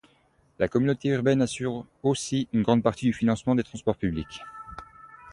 La communauté urbaine assure aussi une grande partie du financement des transports publics.